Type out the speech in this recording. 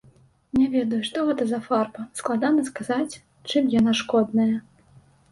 Не ведаю, што гэта за фарба складана сказаць, чым яна шкодная.